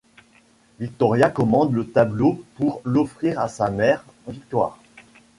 Victoria commande le tableau pour l'offrir à sa mère, Victoire.